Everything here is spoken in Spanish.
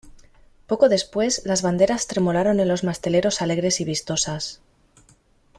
poco después las banderas tremolaron en los masteleros alegres y vistosas: